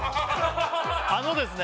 あのですね